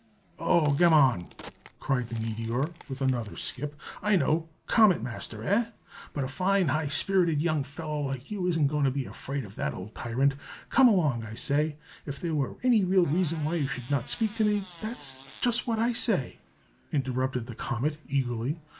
"Oh, gammon!" cried the meteor, with another skip. "I know! Comet Master, eh? But a fine high spirited young fellow like you isn't going to be afraid of that old tyrant. Come along, I say! If there were any real reason why you should not speak to me " "That's just what I say," interrupted the comet, eagerly.